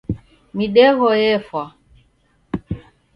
Midegho yefwa.